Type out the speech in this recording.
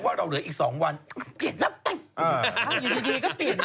เออฮ่าก็เปลี่ยนแล้วฮ่า